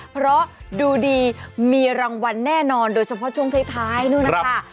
เพราะดูดีมีรางวัลแน่นอนโดยเฉพาะช่วงท้ายนู่นนะคะ